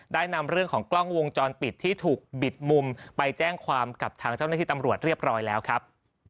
ได้นำเรื่องของกล้องวงจรปิดที่ถูกบิดมุมไปแจ้งความกับทางเจ้าหน้าที่ตำรวจเรียบร้อยแล้วครับ